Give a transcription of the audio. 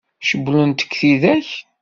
Cewwlent-k tidak?